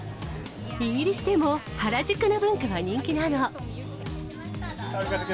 イギリスでも原宿の文化は人気なの。